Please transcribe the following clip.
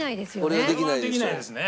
これはできないですね。